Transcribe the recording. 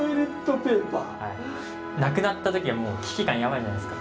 なくなった時危機感やばいじゃないですか。